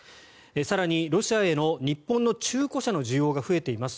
更に、ロシアへの日本の中古車の需要が増えています。